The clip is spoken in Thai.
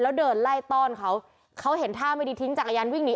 แล้วเดินไล่ต้อนเขาเขาเห็นท่าไม่ดีทิ้งจักรยานวิ่งหนี